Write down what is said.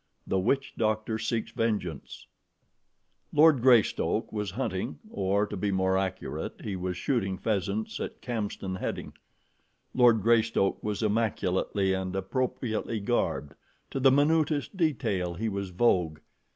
6 The Witch Doctor Seeks Vengeance LORD GREYSTOKE was hunting, or, to be more accurate, he was shooting pheasants at Chamston Hedding. Lord Greystoke was immaculately and appropriately garbed to the minutest detail he was vogue.